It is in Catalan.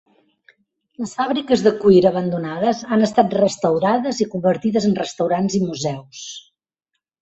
Les fàbriques de cuir abandonades han estat restaurades i convertides en restaurants i museus.